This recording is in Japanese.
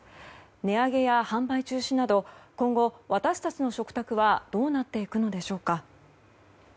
値上げや販売中止など今後、私たちの食卓はどうなっていくのでしょうか。